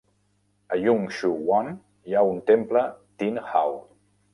A Yung Shue Wan hi ha un temple Tin Hau.